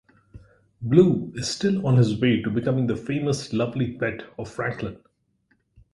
Blu is still on his way to becoming the famous lovely pet of Franklin.